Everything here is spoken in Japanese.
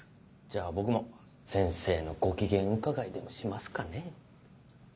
じゃあ僕も先生のご機嫌伺いでもしますかね。